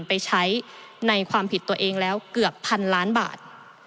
ไปใช้ในความผิดตัวเองแล้วเกือบพันล้านบาท